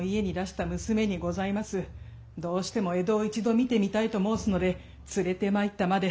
どうしても江戸を一度見てみたいと申すので連れてまいったまで。